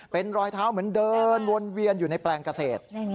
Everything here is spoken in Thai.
เป็นรอยเท้าเหมือนเดินวนเวียนอยู่ในแปลงเกษตร